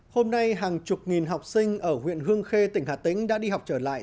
hôm nay hàng chục nghìn học sinh ở huyện hương khê tỉnh hà tĩnh đã đi học trở lại